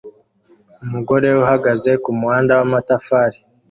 Umugore uhagaze kumuhanda wamatafari